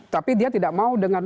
tapi dia tidak mau dengan